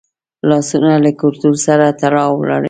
لاسونه له کلتور سره تړاو لري